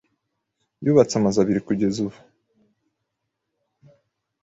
Yubatse amazu abiri kugeza ubu.